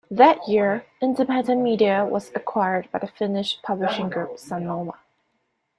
That year, Independent Media was acquired by the Finnish publishing group Sanoma.